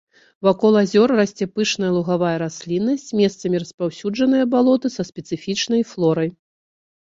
Вакол азёр расце пышная лугавая расліннасць, месцамі распаўсюджаныя балоты са спецыфічнай флорай.